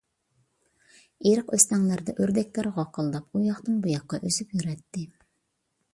ئېرىق-ئۆستەڭلەردە ئۆردەكلەر غاقىلداپ، ئۇياقتىن-بۇياققا ئۈزۈپ يۈرەتتى.